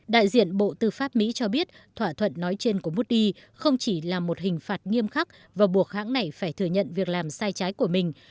đại diện bộ tư pháp mỹ cho biết thỏa thuận nói trên của moody không chỉ là một hình phạt nghiêm khắc và buộc hãng này phải thừa nhận việc làm sai trái của mình